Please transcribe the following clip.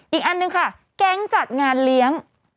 อีกอันหนึ่งค่ะแก๊งจัดงานเลี้ยง